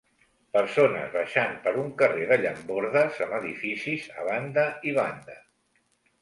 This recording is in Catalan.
Persones baixant per un carrer de llambordes amb edificis a banda i banda.